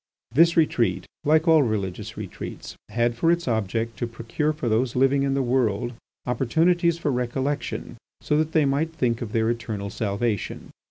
This retreat, like all religious retreats, had for its object to procure for those living in the world opportunities for recollection so that they might think of their eternal salvation.